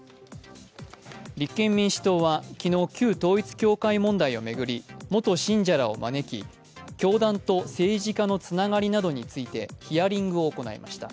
立憲民主党は昨日、旧統一教会問題を巡り元信者らを招き、教団と政治家のつながりなどについてヒアリングを行いました。